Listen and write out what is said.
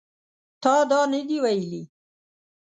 تا دا نه دي ویلي